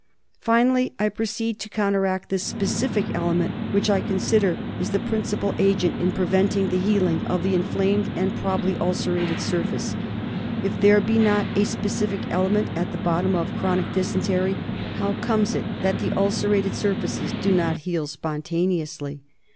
Finally, I proceed to counteract the specific element which I consider is the principal agent in preventing the healing of the inflamed and probably ulcerated surface. If there be not a specific element at the bottom of chronic dysentery, how comes it that the ulcerated surfaces do not heal spontaneously